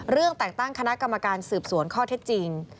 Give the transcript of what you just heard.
เรื่องแต่งตั้งคณะกรรมการสืบสวนข้อเท็จจริง